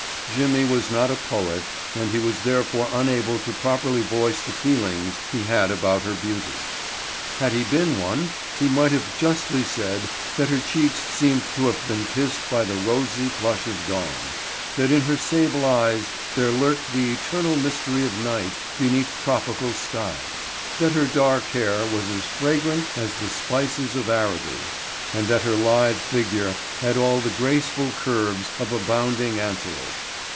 Jimmy was not a poet and he was therefore unable to properly voice the feelings he had about her beauty. Had he been one he might have justly said that her cheeks seemed to have been kissed by the rosy flush of dawn; that in her sable eyes there lurked the eternal mystery of night beneath tropic skies; that her dark hair was as fragrant as the spices of Araby and that her lithe figure had all the gracile curves of a bounding antelope.